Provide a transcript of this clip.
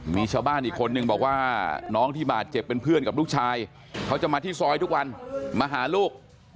มีชาวบ้านอีกคนนึงบอกว่าน้องที่บาดเจ็บเป็นเพื่อนกับลูกชายเขาจะมาที่ซอยทุกวันมาหาลูก